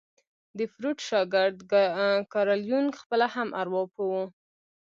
د فروډ شاګرد کارل يونګ خپله هم ارواپوه وو.